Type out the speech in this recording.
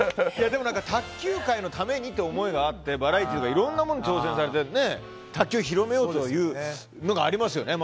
でも卓球界のためにという思いがあってバラエティーとかいろんなもの挑戦されていて卓球を広めようというのがありますよね。